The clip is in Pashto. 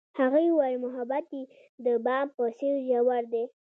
هغې وویل محبت یې د بام په څېر ژور دی.